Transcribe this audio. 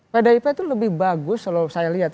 pdip itu lebih bagus kalau saya lihat